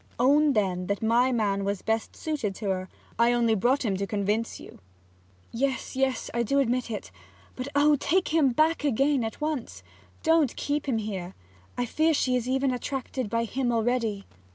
'Own, then, that my man was best suited to her. I only brought him to convince you.' 'Yes, yes; I do admit it. But oh! do take him back again at once! Don't keep him here! I fear she is even attracted by him already.'